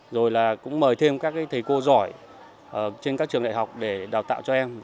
rồi là cũng mời thêm các thầy cô giỏi trên các trường đại học để đào tạo cho em